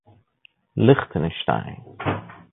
لیختناشتاین